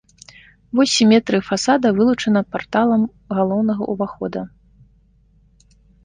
Вось сіметрыі фасада вылучана парталам галоўнага ўвахода.